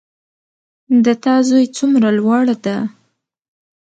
د تا زوی څومره لوړ ده